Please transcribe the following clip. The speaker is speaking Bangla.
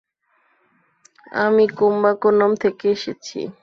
আমি কুম্বাকোনম থেকে এসেছি।